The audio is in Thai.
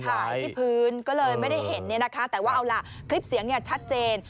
ถ่ายที่พื้นก็เลยไม่ได้เห็นเนี่ยนะคะแต่ว่าเอาล่ะคลิปเสียงเนี่ยชัดเจน